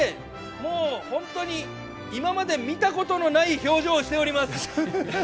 もう本当に、今までに見たことのない表情をしております。